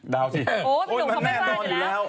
ดาวน์สิโอ้ยมันแบบนอนอยู่แล้ว